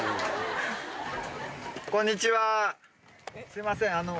すいませんあの。